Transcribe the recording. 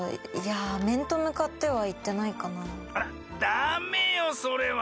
ダメよそれは。